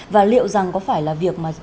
và liệu rằng có phải là việc